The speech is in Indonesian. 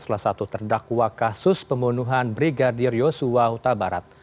salah satu terdakwa kasus pembunuhan brigadir yosua huta barat